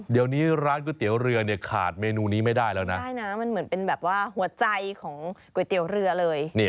เดี๋ยวนี้ร้านก๋วยเตี๋ยวเรือเนี่ยขาดเมนูนี้ไม่ได้แล้วนะใช่นะมันเหมือนเป็นแบบว่าหัวใจของก๋วยเตี๋ยวเรือเลย